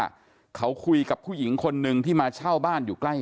พ่อเขาบอกดูแลให้หน่อยดูให้หน่อยอยากดูให้หน่อย